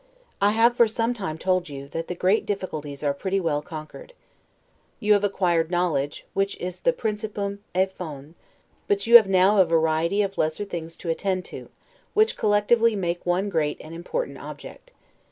I have for some time told you, that the great difficulties are pretty well conquered. You have acquired knowledge, which is the 'principium et fons'; but you have now a variety of lesser things to attend to, which collectively make one great and important object.